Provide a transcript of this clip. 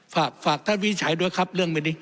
ฝากท่านวิจัยด้วยครับเรื่องไม่ได้